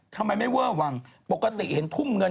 ทำไมไม่เวอร์วังปกติเห็นทุ่มเงิน